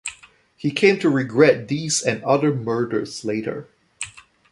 He came to regret these and other murders later.